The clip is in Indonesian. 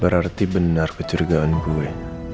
berarti benar kecergaan gue